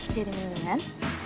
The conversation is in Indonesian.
jadi nih lan